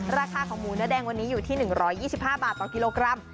ราคาของหมูเนื้อแดงวันนี้อยู่ที่๑๒๕บาทต่อกิโลกรัม